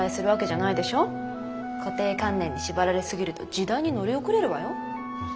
固定観念に縛られ過ぎると時代に乗り遅れるわよ。